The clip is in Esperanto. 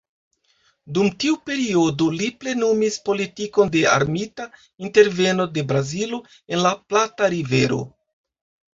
Dum tiu periodo li plenumis politikon de armita interveno de Brazilo en la Plata-Rivero.